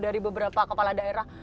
dari beberapa kepala daerah